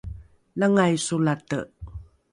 langai solate